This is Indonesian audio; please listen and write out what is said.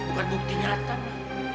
bukan bukti nyata ma